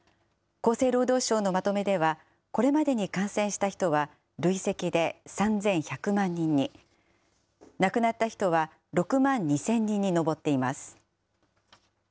厚生労働省のまとめでは、これまでに感染した人は累積で３１００万人に、亡くなった人は６万２０００人に上っています。